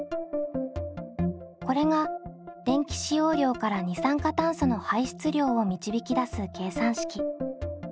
これが電気使用量から二酸化炭素の排出量を導き出す計算式。